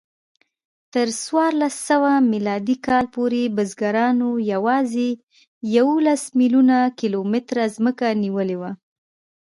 تر څوارلسسوه میلادي کال پورې بزګرانو یواځې یوولس میلیونه کیلومتره ځمکه نیولې وه.